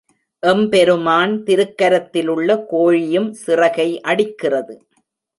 எம்பெருமான் திருக்கரத்திலுள்ள கோழியும் சிறகை அடிக்கிறது.